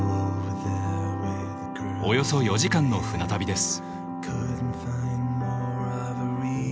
およそ４時間の船旅です。